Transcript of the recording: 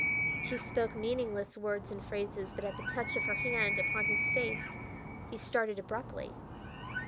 She spoke meaningless words and phrases, but at the touch of her hand upon his face he started abruptly.